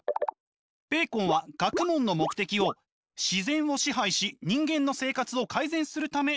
ベーコンは学問の目的を自然を支配し人間の生活を改善するためと考えていました。